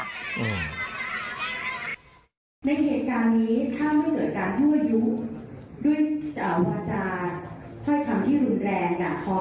วันนี้ทั้งสองฝัง